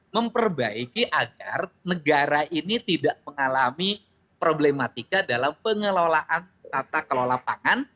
memperbaiki agar negara ini tidak mengalami problematika dalam pengelolaan tata kelola pangan